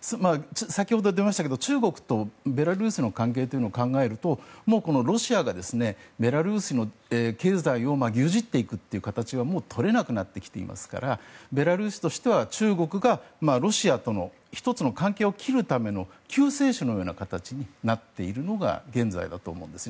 先ほど出ましたが、中国とベラルーシの関係を考えるとロシアがベラルーシの経済を牛耳っていく形はとれなくなってきていますからベラルーシとしては中国がロシアとの関係を切るための、１つの救世主の形になっているのが現在だと思います。